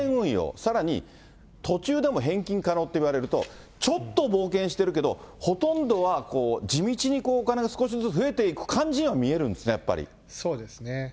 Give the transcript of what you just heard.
さらに途中でも返金可能って言われると、ちょっと冒険してるけど、ほとんどは地道にお金が少しずつ増えていく感じには見えるんですそうですね。